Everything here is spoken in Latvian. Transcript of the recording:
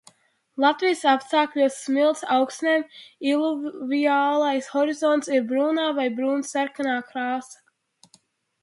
Latvijas apstākļos smilts augsnēm iluviālais horizonts ir brūnā vai brūni sarkanā krāsā.